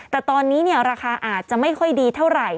แต่ตอนนี้ราคาอาจจะไม่ค่อยดีเท่าไหร่